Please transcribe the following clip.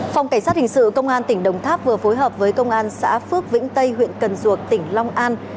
phòng cảnh sát hình sự công an tỉnh đồng tháp vừa phối hợp với công an xã phước vĩnh tây huyện cần duộc tỉnh long an